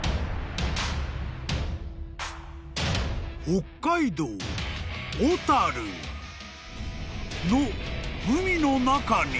［北海道小樽の海の中に］